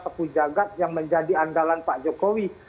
sepujagat yang menjadi andalan pak jokowi